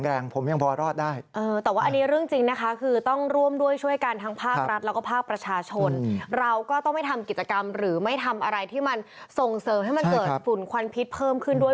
อะไรที่มันทรงเสริมให้มันเกิดฝุ่นควันพิษเพิ่มขึ้นด้วย